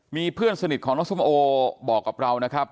มีเพื่อนสนิทของน้องส้มโอบอกกับเรานะครับ